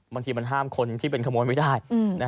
บางทีมันห้ามคนที่เป็นขโมยไม่ได้